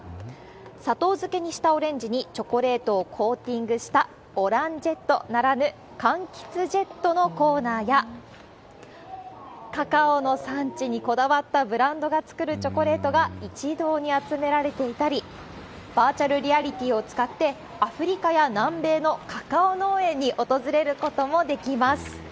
砂糖漬けにしたオレンジにチョコレートをコーティングしたオランジェットならぬ、かんきつジェットのコーナーや、カカオの産地にこだわったブランドが作るチョコレートが一堂に集められていたり、バーチャルリアリティーを使って、アフリカや南米のカカオ農園に訪れることもできます。